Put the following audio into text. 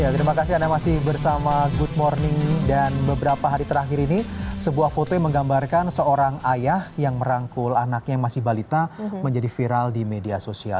terima kasih anda masih bersama good morning dan beberapa hari terakhir ini sebuah foto yang menggambarkan seorang ayah yang merangkul anaknya yang masih balita menjadi viral di media sosial